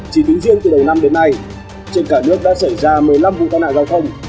chỉ tính riêng từ đầu năm đến nay trên cả nước đã xảy ra một mươi năm vụ tai nạn giao thông